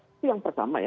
itu yang pertama ya